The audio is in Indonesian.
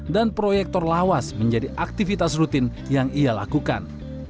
dan proyektor lawas menjadi aktivitas rutin yang ia lakukan